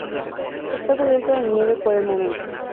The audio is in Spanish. Está cubierta de nieve por el momento.